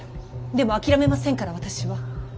でも諦めませんから私は。